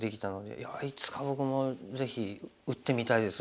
いやいつか僕もぜひ打ってみたいです